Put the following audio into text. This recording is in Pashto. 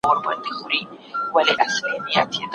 تر تولو مهمه داده.